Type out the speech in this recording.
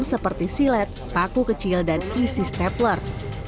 seperti silet paku kecil dan isi stepler